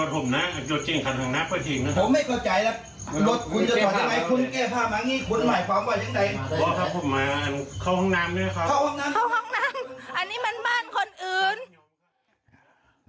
เขาห้องน้ำเขาห้องน้ำอันนี้มันบ้านคนอื่น